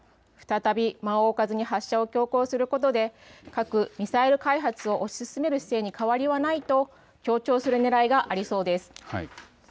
再び間を置かずに発射を強行することで核・ミサイル開発を推し進める姿勢に変わりはないと強調するねらいがありそうです。